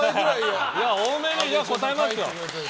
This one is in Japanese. じゃあ多めに答えますよ。